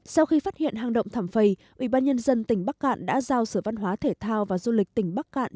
sau khi phát hiện hang động thẩm phầy ubnd tỉnh bắc cạn đã giao sở văn hóa thể thao và du lịch tỉnh bắc cạn